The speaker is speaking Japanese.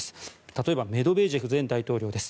例えばメドベージェフ前大統領です。